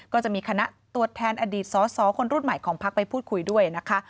ก็จะมีคณะตัวแทนอดีตสอสอคนรุ่นใหม่ของพักไปพูดคุยด้วยนะคะ